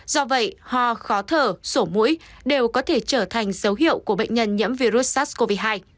do vậy ho khó thở sổ mũi đều có thể trở thành dấu hiệu của bệnh nhân nhiễm virus sars cov hai